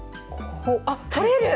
あっ取れる！